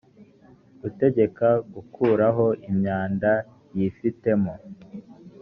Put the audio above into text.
gutegeka gukuraho imyanda yifitemo